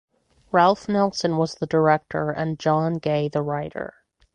Ralph Nelson was the director and John Gay the writer.